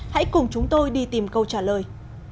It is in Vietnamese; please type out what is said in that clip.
hãy cùng chúng tôi đi tìm câu trả lời